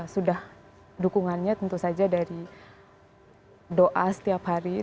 sudah dukungannya tentu saja dari doa setiap hari